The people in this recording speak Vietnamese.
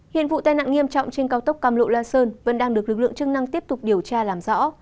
hiện vụ tai nạn nghiêm trọng trên cao tốc cam lộ la sơn vẫn đang được lực lượng chức năng tiếp tục điều tra làm rõ